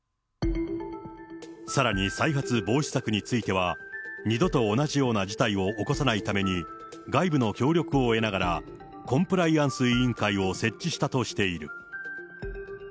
さらに再発防止策については、二度と同じような事態を起こさないために、外部の協力を得ながら、コンプライアンス委員会を設置したとしている。